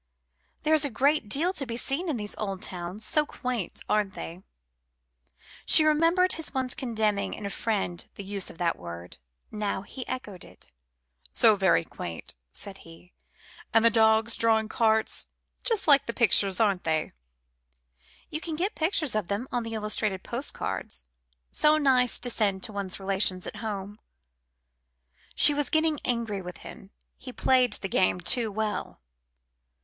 "There is a great deal to be seen in these old towns. So quaint, aren't they?" She remembered his once condemning in a friend the use of that word. Now he echoed it. "So very quaint," said he. "And the dogs drawing carts! Just like the pictures, aren't they?" "You can get pictures of them on the illustrated post cards. So nice to send to one's relations at home." She was getting angry with him. He played the game too well.